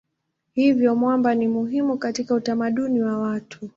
Hivyo mwamba ni muhimu katika utamaduni wa watu.